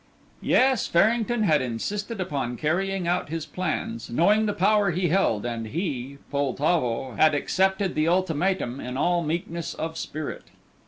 Yes, Farrington had insisted upon carrying out his plans, knowing the power he held, and he, Poltavo, had accepted the ultimatum in all meekness of spirit.